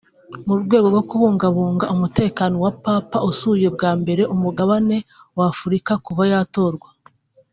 mu rwego rwo kubungabunga umutekano wa Papa usuye bwa mbere umugabane w’Afurika kuva yatorwa